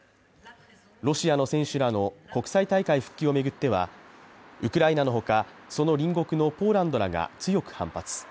ロシアの選手らの国際大会復帰を巡っては、ウクライナのほか、その隣国のポーランドらが強く反発。